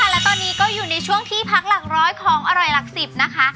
เอาละค่ะแล้วตอนนี้ก็อยู่ในช่วงที่พักหลักร้อยของอร่อยหลักสิบนะคะ